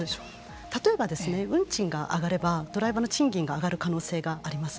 例えば運賃が上がればドライバーの賃金が上がる可能性があります。